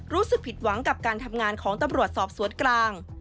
รู้สึกผิดหวังกับการทำงานของตำรวจสอบสวนกลาง